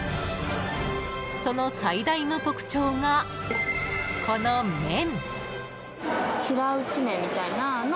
その最大の特長が、この麺。